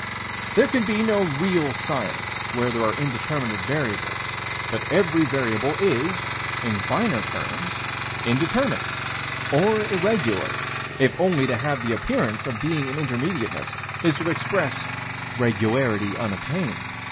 There can be no real science where there are indeterminate variables, but every variable is, in finer terms, indeterminate, or irregular, if only to have the appearance of being in Intermediateness is to express regularity unattained.